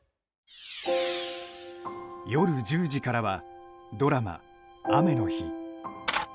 夜１０時からはドラマ「雨の日」。